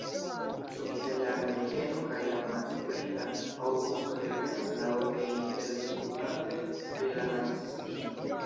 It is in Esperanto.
Subite la arlekeno kaj la malsprita Aŭgusto revenas laŭte interdisputante pri la dancistino.